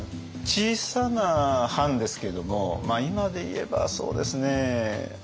小さな藩ですけども今で言えばそうですね